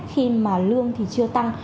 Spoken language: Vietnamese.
khi mà lương thì chưa tăng